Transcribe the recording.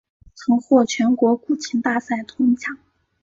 曾获全国古琴大赛铜奖。